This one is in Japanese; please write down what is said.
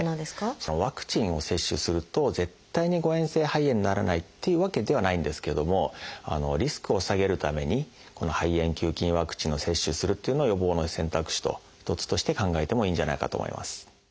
そのワクチンを接種すると絶対に誤えん性肺炎にならないっていうわけではないんですけどもリスクを下げるためにこの肺炎球菌ワクチンを接種するっていうのを予防の選択肢の一つとして考えてもいいんじゃないかと思います。